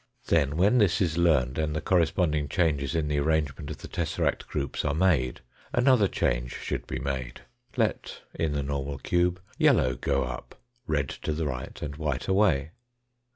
Then when this is learned, and the corre APPENDIX I 247 spending changes in the arrangements of the tesseract groups are made, another change should be made : let, in the normal cube, yellow go up, red to the right, and white away.